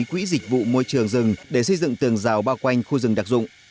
quỹ dịch vụ môi trường rừng để xây dựng tường rào bao quanh khu rừng đặc dụng